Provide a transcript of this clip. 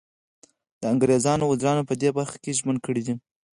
د انګریزانو وزیرانو په دې برخه کې ژمنه کړې ده.